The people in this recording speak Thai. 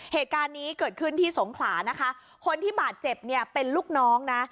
เหตุการณ์นี้เกิดขึ้นที่สงขลานะคะคนที่บาดเจ็บเนี่ยเป็นลูกน้องนะ